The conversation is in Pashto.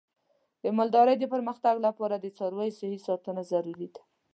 د مالدارۍ د پرمختګ لپاره د څارویو صحي ساتنه ضروري ده.